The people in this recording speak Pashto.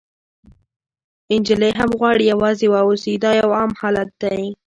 نجلۍ هم غواړي یوازې واوسي، دا یو عام حالت دی.